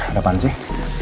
ada apaan sih